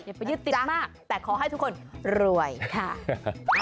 อย่าไปยึดติดมากแต่ขอให้ทุกคนรวยค่ะ